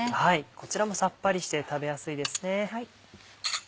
こちらもさっぱりして食べやすいですね。